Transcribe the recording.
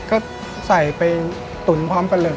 ก็ใส่ไปตุ๋นพร้อมกันเลย